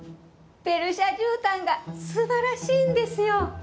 ペルシャじゅうたんが素晴らしいんですよ。